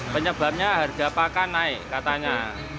penyebabnya harga pakan naik katanya